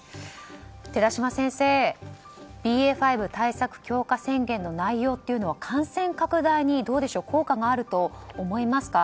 寺嶋先生ＢＡ．５対策強化宣言の内容は感染拡大に効果があると思いますか？